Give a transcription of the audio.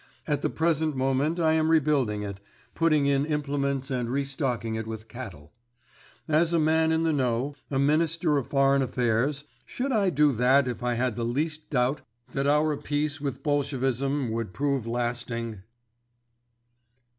At the present moment I am rebuilding it, putting in implements and re stocking it with cattle. As a man in the know, a Minister of Foreign Affairs, should I do that if I had the least doubt that our peace with Bolshevism would prove lasting?"